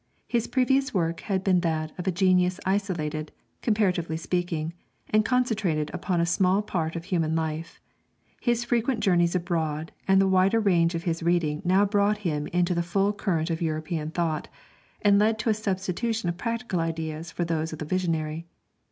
His previous work had been that of a genius isolated, comparatively speaking, and concentrated upon a small part of human life. His frequent journeys abroad and the wider range of his reading now brought him into the full current of European thought, and led to a substitution of practical ideals for those of the visionary.